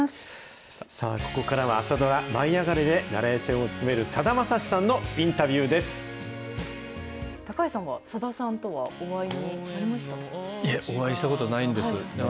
さあ、ここからは朝ドラ、舞いあがれ！でナレーションを務めるさだまさしさんのインタビュー高橋さんはさださんとは、おいえ、お会いしたことないんです。